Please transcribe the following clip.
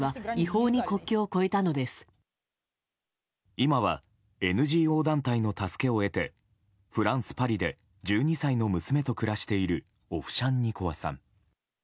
今はＮＧＯ団体の助けを得てフランス・パリで１２歳の娘と暮らしているオフシャンニコワさん。